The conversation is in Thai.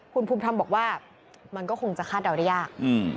คุณภูมิธรรมบอกว่ามันก็คงจะคาดเดาได้ยาก